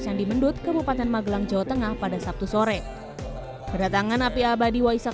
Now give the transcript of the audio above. candi mendut kabupaten magelang jawa tengah pada sabtu sore kedatangan api abadi waisak